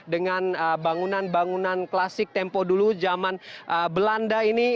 dengan bangunan bangunan klasik tempo dulu zaman belanda ini